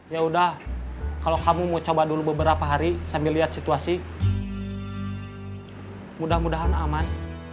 ya udah kalau kamu mau coba dulu beberapa hari sambil lihat situasi mudah mudahan aman